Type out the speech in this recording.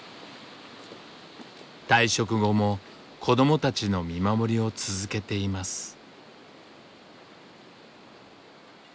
退職後も子どもたちの見守りを続けています。